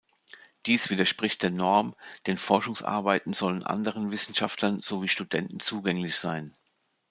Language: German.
Dies widerspricht der Norm, denn Forschungsarbeiten sollen anderen Wissenschaftlern sowie Studenten zugänglich sein.